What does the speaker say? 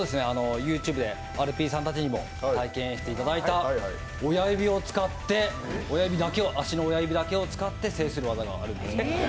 ＹｏｕＴｕｂｅでアルピーさんたちにも体験していただいた足の親指だけを使って制する技があるので。